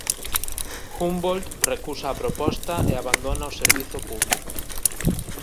Humboldt recusa a proposta e abandona o servizo público.